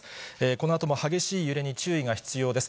このあとも激しい揺れに注意が必要です。